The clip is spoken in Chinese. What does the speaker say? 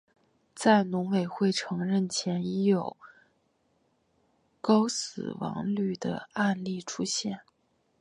在农委会承认前已有高死亡率的案例出现。